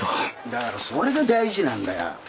だからそれが大事なんだよ。